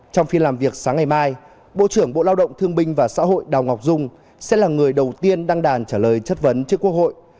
trong phiên làm việc sáng ngày mai bộ trưởng bộ lao động thương binh và xã hội đào ngọc dung sẽ là người đầu tiên đăng đàn trả lời chất vấn trước quốc hội